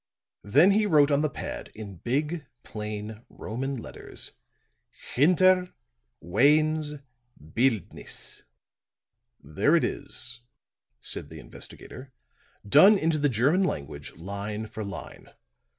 Then he wrote on the pad in big, plain Roman letters: HINTER WAYNE'S BILDNISSE "There it is," said the investigator, "done into the German language, line for line.